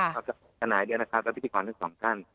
ชาขนาดเดือนพิธีครานทั้ง๒สั้น